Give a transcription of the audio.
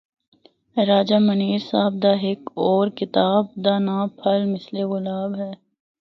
راجہ منیر صاحب دا ہک اور کتاب دا ناں ’پھل مثل گلاب‘ ہے۔